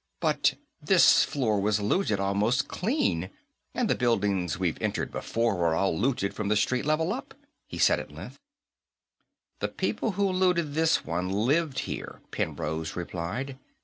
"But this floor was looted almost clean, and the buildings we've entered before were all looted from the street level up," he said, at length. "The people who looted this one lived here," Penrose replied.